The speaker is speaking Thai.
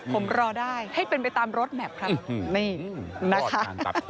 ผมรอได้ให้เป็นไปตามรถแมพครับนะคะ